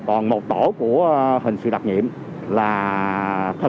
còn một tổ của hình sự đặc nhiệm là công khai